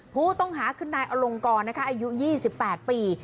ผู้ต้องหาคืนนายอลงกรนะคะอายุยี่สิบแปดปี